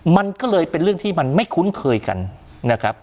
มันก็เลยเป็นเรื่องที่มันไม่คุ้นเคยกันนะครับ